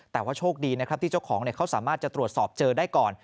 แต่ว่าโชคดีนะครับที่เจ้าของเขาสามารถจะตรวจสอบเจอได้ก่อน